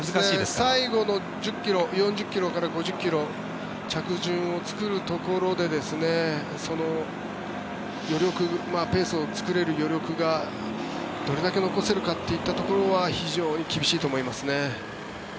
最後の１０ｋｍ４０ｋｍから５０ｋｍ着順を作るところでペースを作れる余力がどれだけ残せるかというところは非常に厳しいと思いますね。